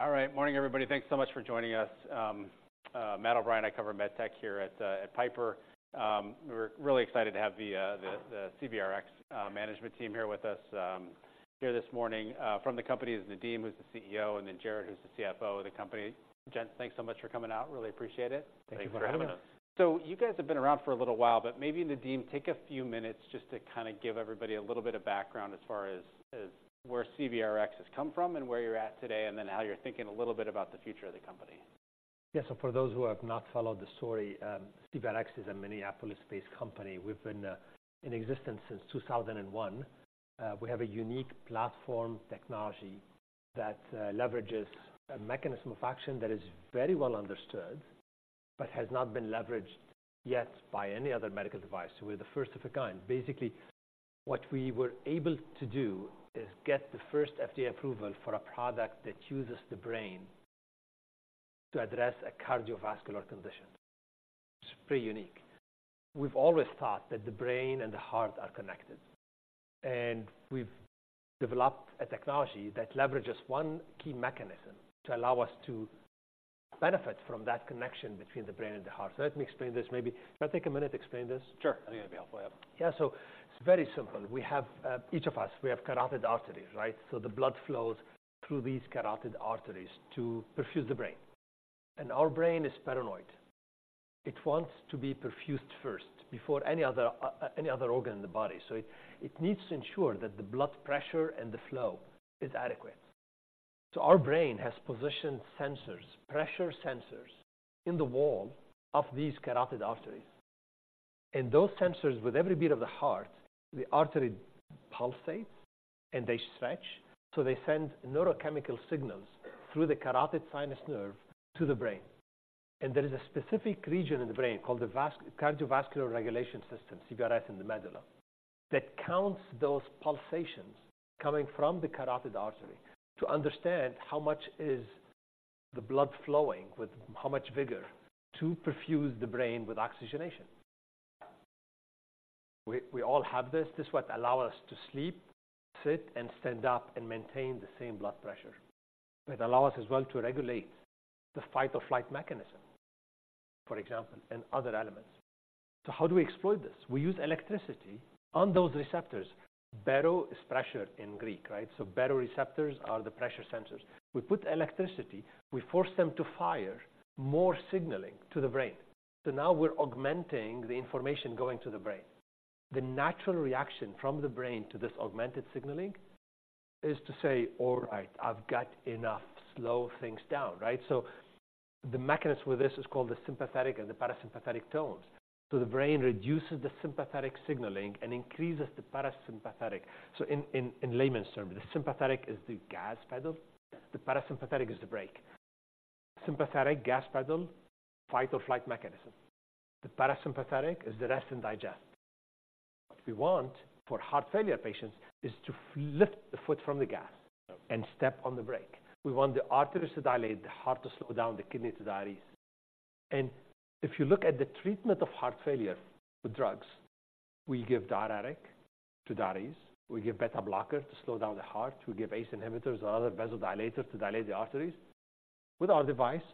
All right. Morning, everybody. Thanks so much for joining us. Matt O'Brien, I cover MedTech here at Piper. We're really excited to have the CVRx management team here with us here this morning. From the company is Nadim, who's the CEO, and then Jared, who's the CFO of the company. Gents, thanks so much for coming out. Really appreciate it. Thank you for having us. Thanks for having us. So you guys have been around for a little while, but maybe, Nadim, take a few minutes just to kind of give everybody a little bit of background as far as, as where CVRx has come from and where you're at today, and then how you're thinking a little bit about the future of the company. Yeah. So for those who have not followed the story, CVRx is a Minneapolis-based company. We've been in existence since 2001. We have a unique platform technology that leverages a mechanism of action that is very well understood but has not been leveraged yet by any other medical device. So we're the first of a kind. Basically, what we were able to do is get the first FDA approval for a product that uses the brain to address a cardiovascular condition. It's pretty unique. We've always thought that the brain and the heart are connected, and we've developed a technology that leverages one key mechanism to allow us to benefit from that connection between the brain and the heart. So let me explain this, maybe. Can I take a minute to explain this? Sure, I think it'd be helpful, yeah. Yeah. So it's very simple. We have. Each of us, we have carotid arteries, right? So the blood flows through these carotid arteries to perfuse the brain, and our brain is paranoid. It wants to be perfused first before any other organ in the body, so it needs to ensure that the blood pressure and the flow is adequate. So our brain has positioned sensors, pressure sensors in the wall of these carotid arteries. And those sensors, with every beat of the heart, the artery pulsates, and they stretch. So they send neurochemical signals through the carotid sinus nerve to the brain, and there is a specific region in the brain called the cardiovascular regulation system, [CRS], in the medulla, that counts those pulsations coming from the carotid artery to understand how much is the blood flowing, with how much vigor, to perfuse the brain with oxygenation. We, we all have this. This is what allow us to sleep, sit, and stand up and maintain the same blood pressure. It allow us as well to regulate the fight or flight mechanism, for example, and other elements. So how do we exploit this? We use electricity on those receptors. Baro is pressure in Greek, right? So baroreceptors are the pressure sensors. We put electricity, we force them to fire more signaling to the brain. So now we're augmenting the information going to the brain. The natural reaction from the brain to this augmented signaling is to say, "All right, I've got enough. Slow things down," right? So the mechanism with this is called the sympathetic and the parasympathetic tones. So the brain reduces the sympathetic signaling and increases the parasympathetic. So in layman's terms, the sympathetic is the gas pedal, the parasympathetic is the brake. Sympathetic, gas pedal, fight or flight mechanism. The parasympathetic is the rest and digest. What we want for heart failure patients is to lift the foot from the gas- Yep... and step on the brake. We want the arteries to dilate, the heart to slow down, the kidney to dilate. And if you look at the treatment of heart failure with drugs, we give diuretic to diuresis, we give beta blocker to slow down the heart, we give ACE inhibitors and other vasodilators to dilate the arteries. With our device,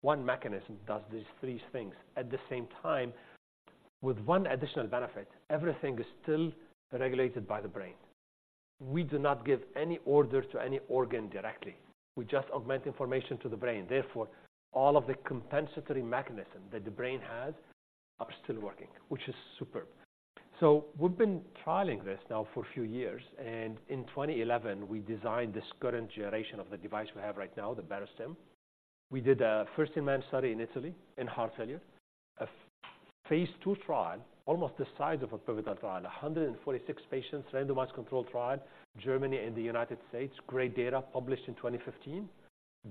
one mechanism does these three things at the same time, with one additional benefit. Everything is still regulated by the brain. We do not give any order to any organ directly. We just augment information to the brain. Therefore, all of the compensatory mechanism that the brain has are still working, which is superb. So we've been trialing this now for a few years, and in 2011, we designed this current generation of the device we have right now, the Barostim. We did a first human study in Italy in heart failure, a phase II trial, almost the size of a pivotal trial, 146 patients, randomized control trial, Germany and the United States. Great data, published in 2015,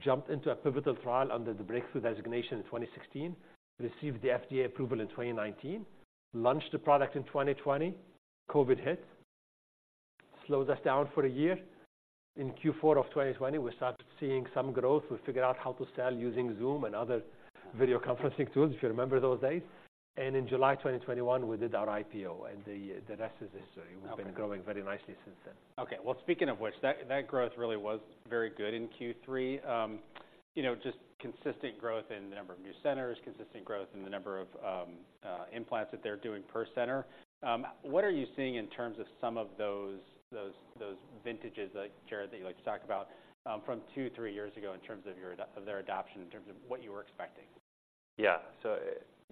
jumped into a pivotal trial under the breakthrough designation in 2016, received the FDA approval in 2019, launched the product in 2020. COVID hit, slows us down for a year. In Q4 of 2020, we started seeing some growth. We figured out how to sell using Zoom and other video conferencing tools, if you remember those days. And in July 2021, we did our IPO, and the rest is history. We've been growing very nicely since then. Okay. Well, speaking of which, that growth really was very good in Q3. You know, just consistent growth in the number of new centers, consistent growth in the number of implants that they're doing per center. What are you seeing in terms of some of those vintages that, Jared, that you like to talk about, from two, three years ago, in terms of your adoption of their adoption, in terms of what you were expecting? Yeah. So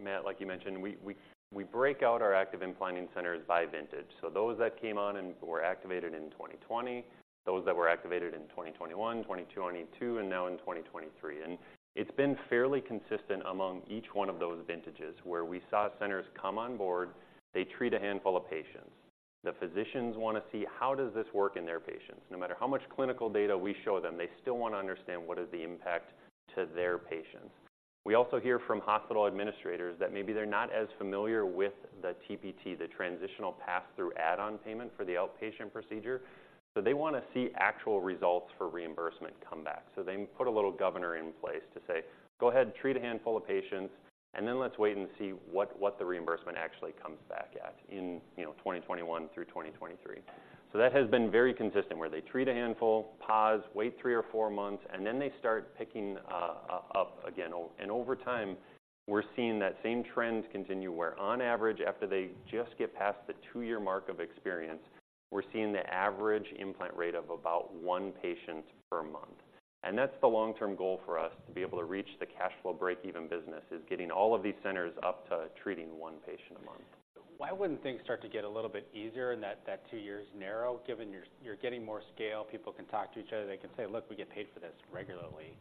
Matt, like you mentioned, we break out our active implanting centers by vintage. So those that came on and were activated in 2020, those that were activated in 2021, 2022, and now in 2023. And it's been fairly consistent among each one of those vintages, where we saw centers come on board, they treat a handful of patients. The physicians wanna see, how does this work in their patients? No matter how much clinical data we show them, they still wanna understand what is the impact to their patients. We also hear from hospital administrators that maybe they're not as familiar with the TPT, the transitional pass-through add-on payment for the outpatient procedure, so they wanna see actual results for reimbursement come back. So they put a little governor in place to say, "Go ahead, treat a handful of patients, and then let's wait and see what the reimbursement actually comes back at in, you know, 2021 through 2023." So that has been very consistent, where they treat a handful, pause, wait three or four months, and then they start picking up again. And over time, we're seeing that same trend continue, where on average, after they just get past the two-year mark of experience, we're seeing the average implant rate of about one patient per month.... And that's the long-term goal for us, to be able to reach the cash flow breakeven business, is getting all of these centers up to treating one patient a month. Why wouldn't things start to get a little bit easier and that two years narrow, given you're getting more scale, people can talk to each other. They can say, "Look, we get paid for this regularly."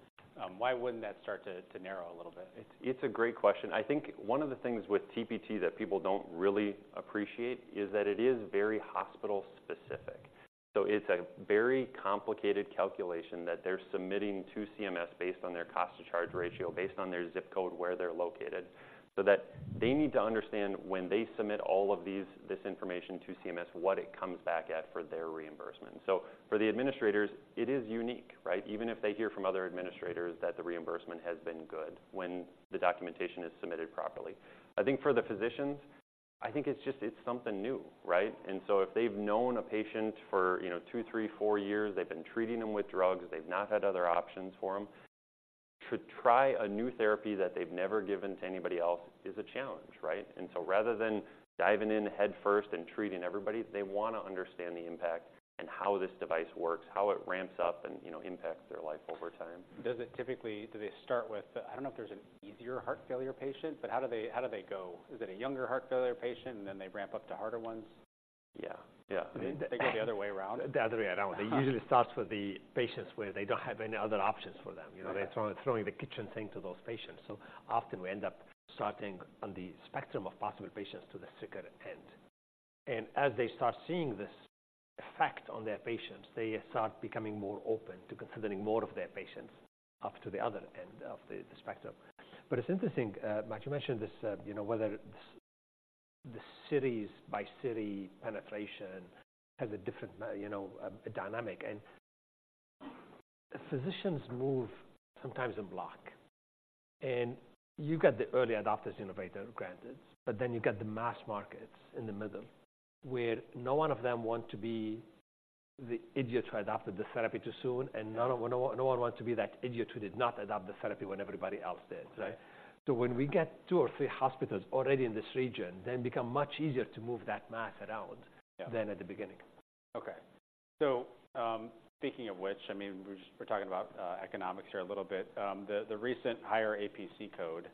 Why wouldn't that start to narrow a little bit? It's, it's a great question. I think one of the things with TPT that people don't really appreciate is that it is very hospital-specific. So it's a very complicated calculation that they're submitting to CMS based on their cost to charge ratio, based on their ZIP code, where they're located. So that they need to understand when they submit all of these, this information to CMS, what it comes back at for their reimbursement. So for the administrators, it is unique, right? Even if they hear from other administrators that the reimbursement has been good when the documentation is submitted properly. I think for the physicians, I think it's just, it's something new, right? And so if they've known a patient for, you know, two, three, four years, they've been treating them with drugs, they've not had other options for them, to try a new therapy that they've never given to anybody else is a challenge, right? And so rather than diving in headfirst and treating everybody, they wanna understand the impact and how this device works, how it ramps up and, you know, impacts their life over time. Does it typically... Do they start with, I don't know if there's an easier heart failure patient, but how do they, how do they go? Is it a younger heart failure patient, and then they ramp up to harder ones? Yeah. Yeah. They go the other way around? The other way around. It usually starts with the patients where they don't have any other options for them, you know- Yeah. They're throwing the kitchen sink to those patients. So often we end up starting on the spectrum of possible patients to the sicker end. And as they start seeing this effect on their patients, they start becoming more open to considering more of their patients up to the other end of the spectrum. But it's interesting, Matt, you mentioned this, you know, whether this, the cities by city penetration has a different, you know, dynamic. And physicians move sometimes en bloc, and you've got the early adopters, innovator, granted, but then you've got the mass markets in the middle, where no one of them want to be the idiot who adapted the therapy too soon, and none of no one wants to be that idiot who did not adapt the therapy when everybody else did, right? Yeah. When we get two or three hospitals already in this region, then become much easier to move that mass around- Yeah than at the beginning. Okay. So, speaking of which, I mean, we're just talking about economics here a little bit. The recent higher APC code,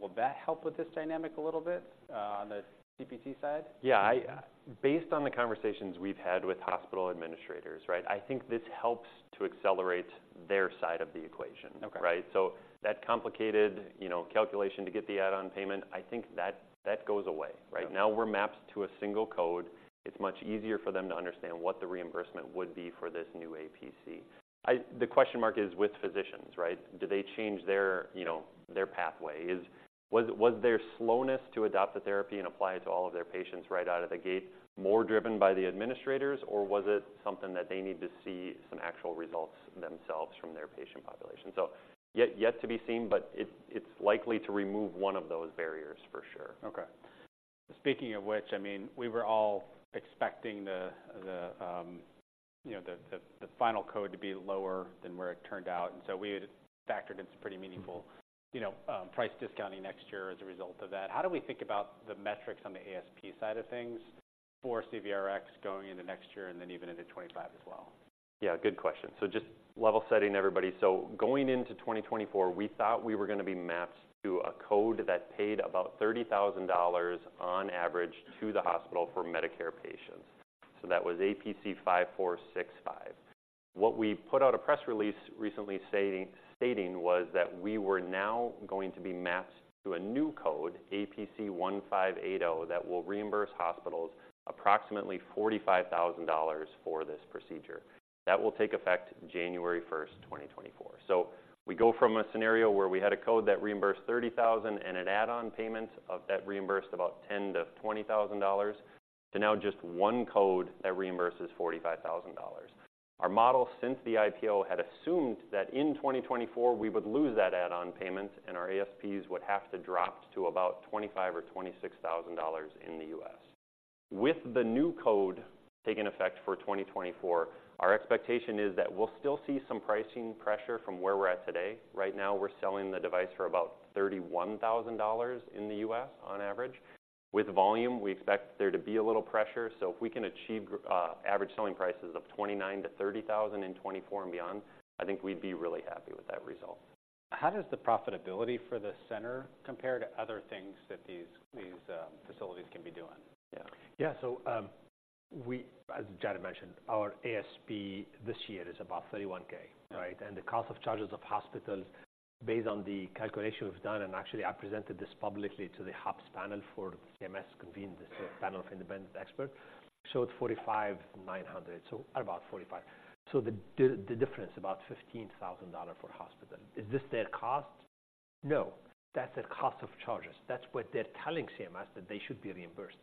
will that help with this dynamic a little bit on the CPT side? Yeah, I... Based on the conversations we've had with hospital administrators, right? I think this helps to accelerate their side of the equation. Okay. Right? So that complicated, you know, calculation to get the add-on payment, I think that, that goes away. Right. Now, we're mapped to a single code. It's much easier for them to understand what the reimbursement would be for this new APC. The question mark is with physicians, right? Do they change their, you know, their pathway? Was their slowness to adopt the therapy and apply it to all of their patients right out of the gate, more driven by the administrators, or was it something that they need to see some actual results themselves from their patient population? So, yet to be seen, but it's, it's likely to remove one of those barriers for sure. Okay. Speaking of which, I mean, we were all expecting the final code to be lower than where it turned out, and so we had factored in some pretty meaningful, you know, price discounting next year as a result of that. How do we think about the metrics on the ASP side of things for CVRx going into next year and then even into 25 as well? Yeah, good question. So just level setting, everybody. So going into 2024, we thought we were gonna be mapped to a code that paid about $30,000 on average to the hospital for Medicare patients. So that was APC 5465. What we put out a press release recently stating was that we were now going to be mapped to a new code, APC 1580, that will reimburse hospitals approximately $45,000 for this procedure. That will take effect January 1st, 2024. So we go from a scenario where we had a code that reimbursed $30,000 and an add-on payment of that reimbursed about $10,000-$20,000, to now just one code that reimburses $45,000. Our model, since the IPO, had assumed that in 2024, we would lose that add-on payment, and our ASPs would have to drop to about $25,000-$26,000 in the U.S. With the new code taking effect for 2024, our expectation is that we'll still see some pricing pressure from where we're at today. Right now, we're selling the device for about $31,000 in the U.S. on average. With volume, we expect there to be a little pressure. So if we can achieve, average selling prices of $29,000-$30,000 in 2024 and beyond, I think we'd be really happy with that result. How does the profitability for the center compare to other things that these facilities can be doing? Yeah. Yeah. So, we, as Jared mentioned, our ASP this year is about $31,000, right? Yeah. The cost of charges of hospitals, based on the calculation we've done, and actually, I presented this publicly to the HAPS panel for CMS convened this- Yeah panel of independent experts, showed $45,900, so about $45,000. So the difference, about $15,000 per hospital. Is this their cost? No, that's their cost of charges. That's what they're telling CMS that they should be reimbursed.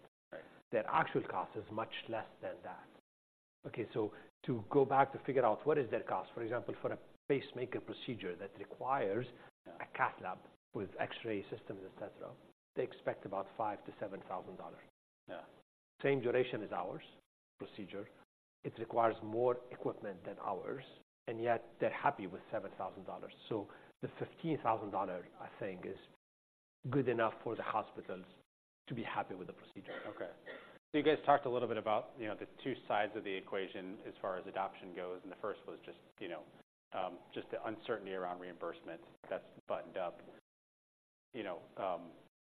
Right. Their actual cost is much less than that. Okay, so to go back to figure out what is their cost, for example, for a pacemaker procedure that requires- Yeah... a cath lab with X-ray systems, et cetera, they expect about $5,000-$7,000. Yeah. Same duration as ours, procedure. It requires more equipment than ours, and yet they're happy with $7,000. So the $15,000, I think, is good enough for the hospitals to be happy with the procedure. Okay. So you guys talked a little bit about, you know, the two sides of the equation as far as adoption goes, and the first was just, you know, just the uncertainty around reimbursement that's buttoned up. You know,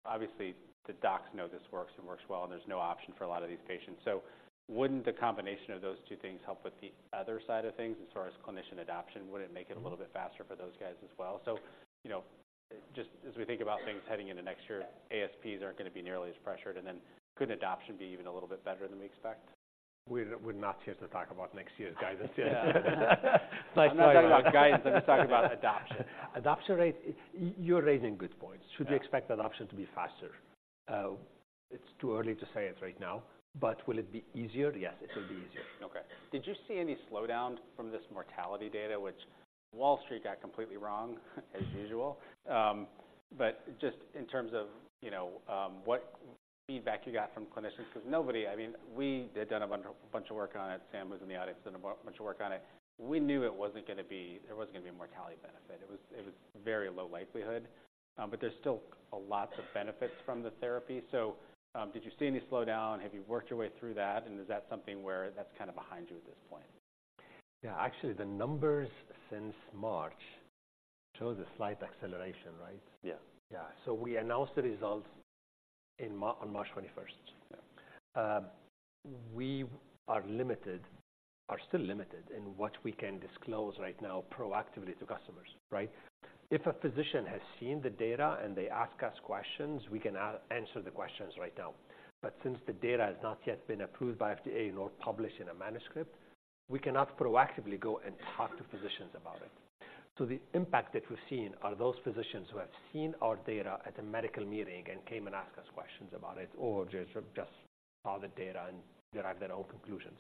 obviously, the docs know this works and works well, and there's no option for a lot of these patients. So wouldn't the combination of those two things help with the other side of things as far as clinician adoption? Would it make it- Mm-hmm. A little bit faster for those guys as well? So, you know, just as we think about things heading into next year, ASPs aren't going to be nearly as pressured, and then could adoption be even a little bit better than we expect? We're not here to talk about next year, guys. Yeah. I'm not talking about guides, let me talk about adoption. Adoption rate, you're raising good points. Yeah. Should we expect adoption to be faster? It's too early to say it right now, but will it be easier? Yes, it will be easier. Okay. Did you see any slowdown from this mortality data, which Wall Street got completely wrong, as usual? But just in terms of, you know, what feedback you got from clinicians, because nobody—I mean, we had done a bunch of, bunch of work on it. Sam, who's in the audience, done a bunch, bunch of work on it. We knew it wasn't gonna be... there wasn't gonna be a mortality benefit. It was, it was very low likelihood, but there's still a lots of benefits from the therapy. So, did you see any slowdown? Have you worked your way through that, and is that something where that's kind of behind you at this point? Yeah, actually, the numbers since March shows a slight acceleration, right? Yeah. Yeah. So we announced the results on March 21st. Yeah. We are limited, are still limited in what we can disclose right now proactively to customers, right? If a physician has seen the data and they ask us questions, we can answer the questions right now. But since the data has not yet been approved by FDA nor published in a manuscript, we cannot proactively go and talk to physicians about it. So the impact that we've seen are those physicians who have seen our data at a medical meeting and came and asked us questions about it, or just saw the data and derived their own conclusions.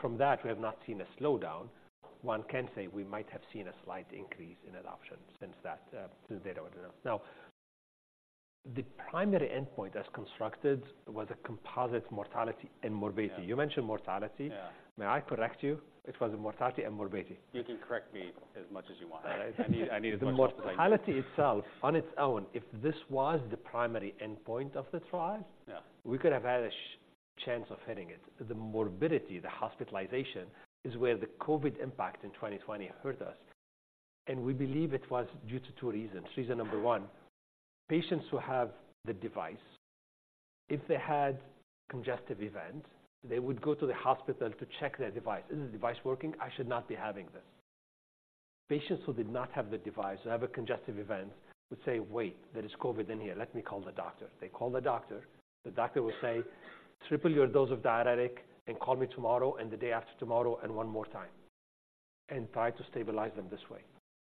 From that, we have not seen a slowdown. One can say we might have seen a slight increase in adoption since that, the data was announced. Now, the primary endpoint as constructed was a composite mortality and morbidity. Yeah. You mentioned mortality. Yeah. May I correct you? It was a mortality and morbidity. You can correct me as much as you want. All right. I need as much- The mortality itself, on its own, if this was the primary endpoint of the trial- Yeah... we could have had a chance of hitting it. The morbidity, the hospitalization, is where the COVID impact in 2020 hurt us, and we believe it was due to two reasons. Reason number one, patients who have the device, if they had congestive event, they would go to the hospital to check their device. "Is the device working? I should not be having this." Patients who did not have the device, who have a congestive event, would say, "Wait, there is COVID in here. Let me call the doctor." They call the doctor. The doctor will say, "Triple your dose of diuretic and call me tomorrow, and the day after tomorrow, and one more time," and try to stabilize them this way.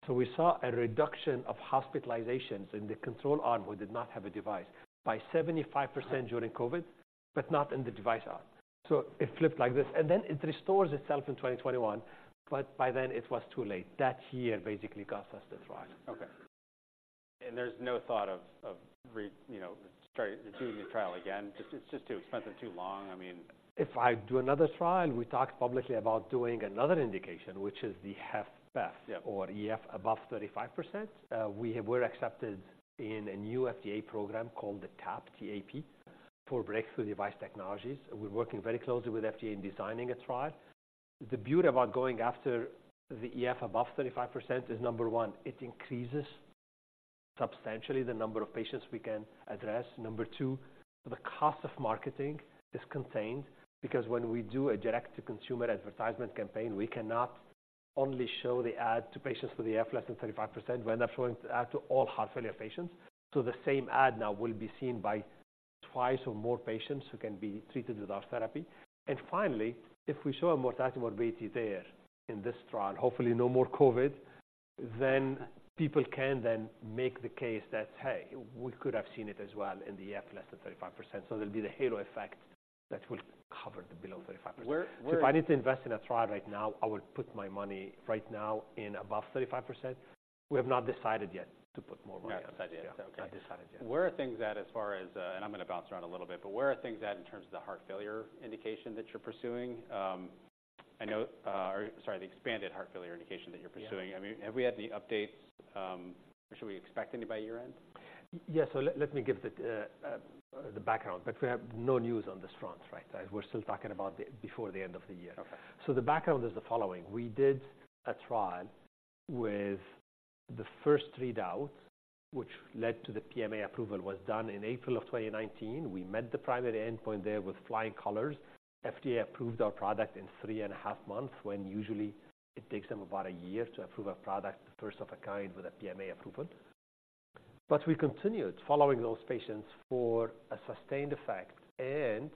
So we saw a reduction of hospitalizations in the control arm, who did not have a device, by 75% during COVID, but not in the device arm. So it flipped like this, and then it restores itself in 2021, but by then it was too late. That year basically cost us the trial. Okay. And there's no thought of, you know, start doing the trial again? Just, it's just too expensive, too long, I mean... If I do another trial, we talked publicly about doing another indication, which is the HFpEF or EF above 35%. We have... We're accepted in a new FDA program called the TAP, T-A-P, for breakthrough device technologies. We're working very closely with FDA in designing a trial. The beauty about going after the EF above 35% is, number one, it increases substantially the number of patients we can address. Number two, the cost of marketing is contained because when we do a direct-to-consumer advertisement campaign, we cannot only show the ad to patients with EF less than 35%. We end up showing the ad to all heart failure patients. So the same ad now will be seen by twice or more patients who can be treated with our therapy. And finally, if we show a mortality-morbidity there in this trial, hopefully no more COVID, then people can then make the case that, "Hey, we could have seen it as well in the EF less than 35%." So there'll be the halo effect that will cover the below 35%. Where, where- If I need to invest in a trial right now, I would put my money right now in above 35%. We have not decided yet to put more money on it. Not decided, okay. Not decided yet. Where are things at as far as I'm gonna bounce around a little bit, but where are things at in terms of the heart failure indication that you're pursuing? Or, sorry, the expanded heart failure indication that you're pursuing. Yeah. I mean, have we had any updates? Should we expect any by your end? Yeah, so let me give the background, but we have no news on this front, right? We're still talking about before the end of the year. Okay. So the background is the following: We did a trial with the first readout, which led to the PMA approval, was done in April 2019. We met the primary endpoint there with flying colors. FDA approved our product in 3.5 months, when usually it takes them about a year to approve a product, first of a kind with a PMA approval. But we continued following those patients for a sustained effect and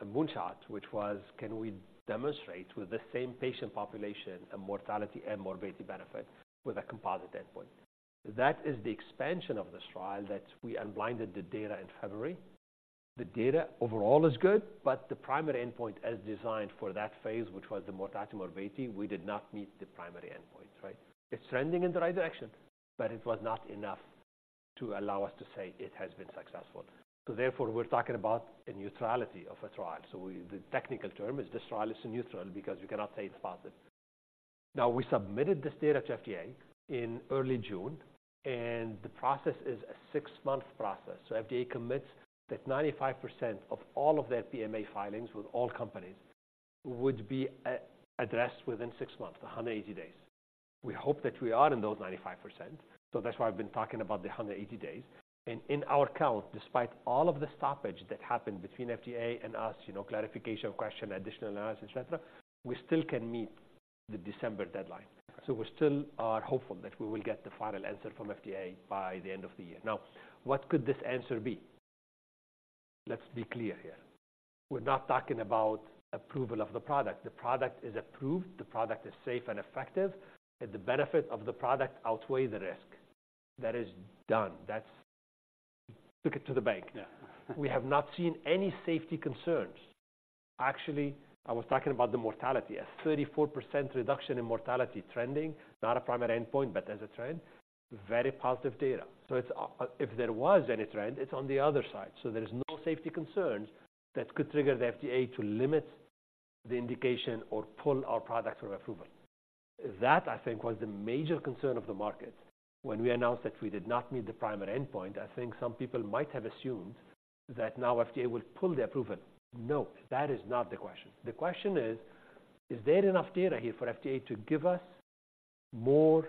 a moonshot, which was, Can we demonstrate with the same patient population, a mortality and morbidity benefit with a composite endpoint? That is the expansion of this trial, that we unblinded the data in February. The data overall is good, but the primary endpoint as designed for that phase, which was the mortality, morbidity, we did not meet the primary endpoint, right? It's trending in the right direction, but it was not enough to allow us to say it has been successful. So therefore, we're talking about a neutrality of a trial. So the technical term is this trial is neutral, because we cannot say it's positive. Now, we submitted this data to FDA in early June, and the process is a six-month process. So FDA commits that 95% of all of their PMA filings with all companies would be addressed within six months, 180 days. We hope that we are in those 95%, so that's why I've been talking about the 180 days. And in our count, despite all of the stoppage that happened between FDA and us, you know, clarification, question, additional analysis, et cetera, we still can meet the December deadline. So we still are hopeful that we will get the final answer from FDA by the end of the year. Now, what could this answer be? Let's be clear here. We're not talking about approval of the product. The product is approved, the product is safe and effective, and the benefit of the product outweigh the risk. That is done. Took it to the bank. Yeah. We have not seen any safety concerns. Actually, I was talking about the mortality. A 34% reduction in mortality trending, not a primary endpoint, but as a trend, very positive data. So it's... If there was any trend, it's on the other side. So there is no safety concerns that could trigger the FDA to limit the indication or pull our product from approval. That, I think, was the major concern of the market when we announced that we did not meet the primary endpoint. I think some people might have assumed that now FDA will pull the approval. No, that is not the question. The question is: Is there enough data here for FDA to give us more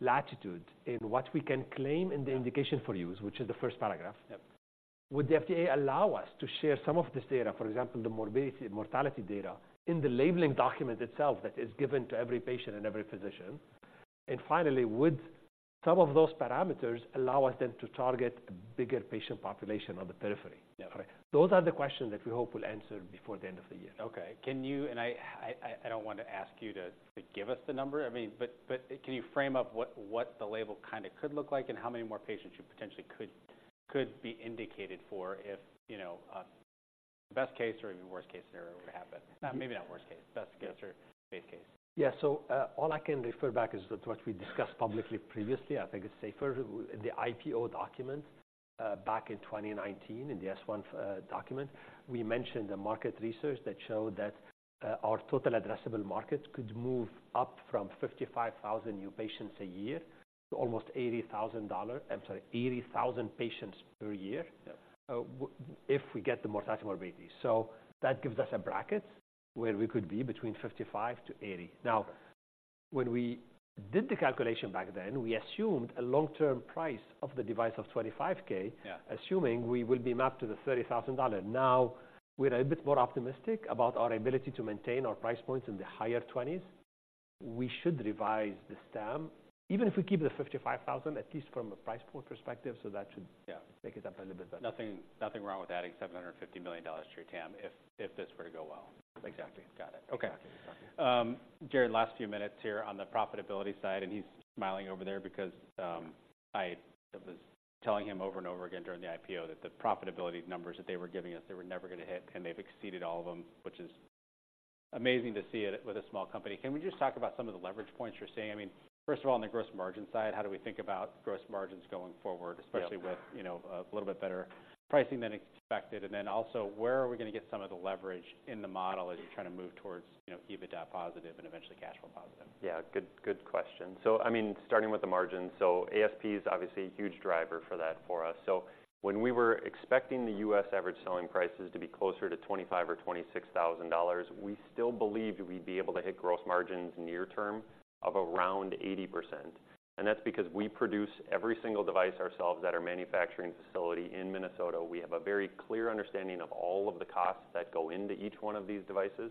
latitude in what we can claim- Yeah... in the indication for use, which is the first paragraph? Yep. Would the FDA allow us to share some of this data, for example, the morbidity and mortality data, in the labeling document itself that is given to every patient and every physician? And finally, would some of those parameters allow us then to target a bigger patient population on the periphery? Yeah. Those are the questions that we hope will answer before the end of the year. Okay. I don't want to ask you to give us the number. I mean, but can you frame up what the label kinda could look like, and how many more patients you potentially could be indicated for if, you know, best case or even worst case scenario were to happen? Maybe not worst case, best case or base case. Yeah. So, all I can refer back is to what we discussed publicly previously. I think it's safer. The IPO document, back in 2019, in the S-1, document, we mentioned the market research that showed that, our total addressable markets could move up from 55,000 new patients a year to almost $80,000-- I'm sorry, 80,000 patients per year- Yeah if we get the mortality, morbidity. So that gives us a bracket where we could be between 55-80. Now, when we did the calculation back then, we assumed a long-term price of the device of $25,000- Yeah... assuming we will be mapped to the $30,000. Now, we're a bit more optimistic about our ability to maintain our price points in the higher 20s. We should revise the TAM, even if we keep the $55,000, at least from a price point perspective, so that should- Yeah Make it up a little bit better. Nothing, nothing wrong with adding $750 million to your TAM if, if this were to go well. Exactly. Got it. Okay. Exactly. Jared, last few minutes here on the profitability side, and he's smiling over there because, I was telling him over and over again during the IPO that the profitability numbers that they were giving us, they were never gonna hit, and they've exceeded all of them, which is amazing to see it with a small company. Can we just talk about some of the leverage points you're seeing? I mean, first of all, on the gross margin side, how do we think about gross margins going forward- Yeah... especially with, you know, a little bit better pricing than expected? Then also, where are we gonna get some of the leverage in the model as you're trying to move towards, you know, EBITDA positive and eventually cash flow positive? Yeah, good, good question. I mean, starting with the margins, ASP is obviously a huge driver for that for us. When we were expecting the U.S. average selling prices to be closer to $25,000-$26,000, we still believed we'd be able to hit gross margins near term of around 80%. And that's because we produce every single device ourselves at our manufacturing facility in Minnesota. We have a very clear understanding of all of the costs that go into each one of these devices,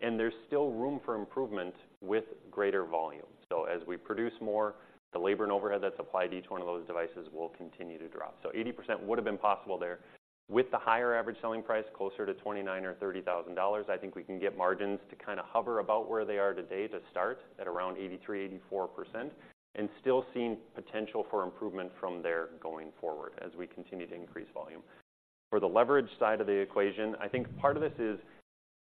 and there's still room for improvement with greater volume. As we produce more, the labor and overhead that's applied to each one of those devices will continue to drop. 80% would have been possible there. With the higher average selling price, closer to $29,000 or $30,000, I think we can get margins to kinda hover about where they are today to start, at around 83%-84%, and still seeing potential for improvement from there going forward as we continue to increase volume. For the leverage side of the equation, I think part of this is,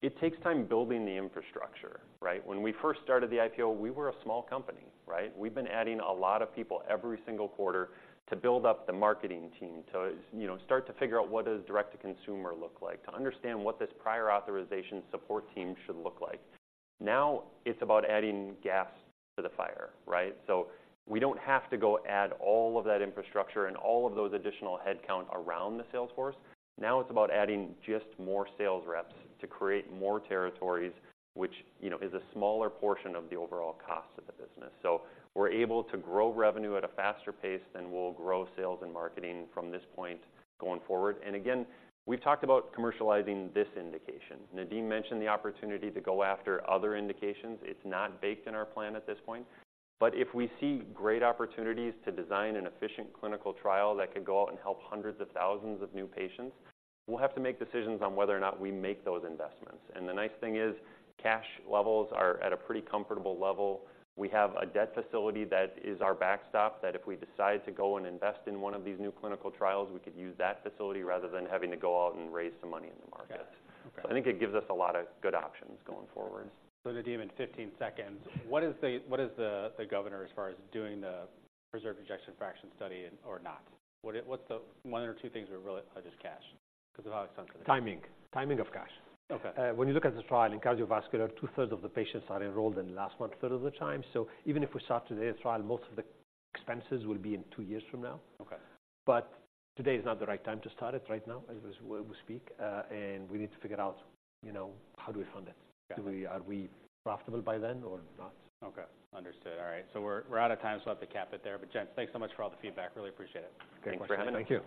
it takes time building the infrastructure, right? When we first started the IPO, we were a small company, right? We've been adding a lot of people every single quarter to build up the marketing team, to, you know, start to figure out what does direct to consumer look like, to understand what this prior authorization support team should look like. Now it's about adding gas to the fire, right? So we don't have to go add all of that infrastructure and all of those additional headcount around the sales force. Now it's about adding just more sales reps to create more territories, which, you know, is a smaller portion of the overall cost of the business. So we're able to grow revenue at a faster pace than we'll grow sales and marketing from this point going forward. And again, we've talked about commercializing this indication. Nadim mentioned the opportunity to go after other indications. It's not baked in our plan at this point, but if we see great opportunities to design an efficient clinical trial that could go out and help hundreds of thousands of new patients, we'll have to make decisions on whether or not we make those investments. And the nice thing is, cash levels are at a pretty comfortable level. We have a debt facility that is our backstop, that if we decide to go and invest in one of these new clinical trials, we could use that facility rather than having to go out and raise some money in the market. Yeah. Okay. So I think it gives us a lot of good options going forward. So Nadim, in 15 seconds, what is the governor as far as doing the preserved ejection fraction study and or not? What is- what's the one or two things we're really... Oh, just cash, because of how it sounds to me. Timing. Timing of cash. Okay. When you look at the trial in cardiovascular, two-thirds of the patients are enrolled in the last one-third of the time. So even if we start today's trial, most of the expenses will be in two years from now. Okay. Today is not the right time to start it right now, as we speak, and we need to figure out, you know, how do we fund it? Yeah. Are we profitable by then or not? Okay, understood. All right. So we're out of time, so I have to cap it there. But gents, thanks so much for all the feedback. Really appreciate it. Thank you. Thank you.